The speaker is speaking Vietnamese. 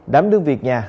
đám đương việc nhà